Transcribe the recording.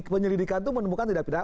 penyidikan itu menemukan tidak pindah